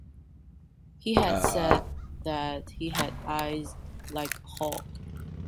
He had said that he had eyes like a hawk.